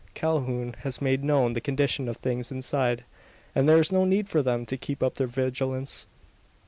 Calhoun has made known the condition of things inside; and there is no need for them to keep up their vigilance.